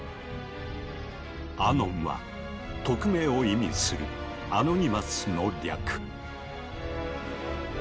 「アノン」は匿名を意味する「アノニマス」の略。